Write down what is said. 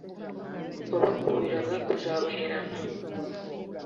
uwabakubiraga kuzabaherana.